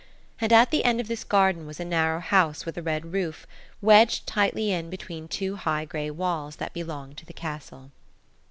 And at the end of this garden was a narrow house with a red roof, wedged tightly in between two high grey walls that belonged to the castle.